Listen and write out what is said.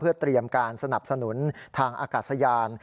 เพื่อเตรียมการสนับสนุนทางอากาศยาน